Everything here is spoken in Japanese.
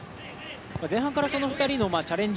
前半からその２人のチャレンジ